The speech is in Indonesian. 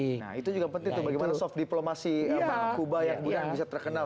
nah itu juga penting tuh bagaimana soft diplomasi kuba yang bisa terkenal